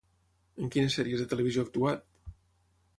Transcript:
En quines sèries de televisió ha actuat?